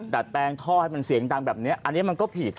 ดาดแปลงท่อให้เสียงดังอันนี้มันก็ผิด